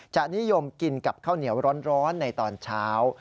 นิยมกินกับข้าวเหนียวร้อนในตอนเช้า